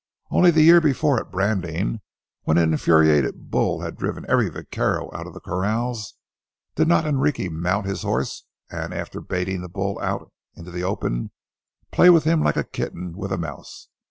Only the year before at branding, when an infuriated bull had driven every vaquero out of the corrals, did not Enrique mount his horse, and, after baiting the bull out into the open, play with him like a kitten with a mouse?